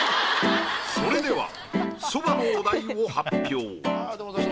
それではそばのお題を発表。